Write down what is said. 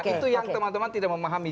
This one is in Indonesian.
itu yang teman teman tidak memahami